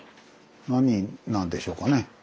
何なんでしょうかね。